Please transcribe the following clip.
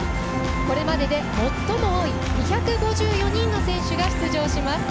これまでで最も多い２５４人の選手が出場します。